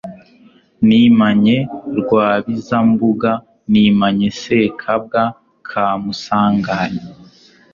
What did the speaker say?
nimanye Rwabizambuga nimanye Sekabwa ka Musanganya